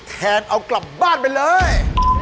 แทนเอากลับบ้านไปเลย